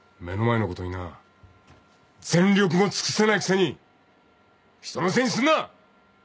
目の前のことにな全力も尽くせないくせに人のせいにするな。